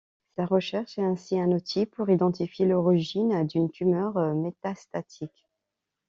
Sa recherche est ainsi un outils pour identifier l'origine d'une tumeur métastatique.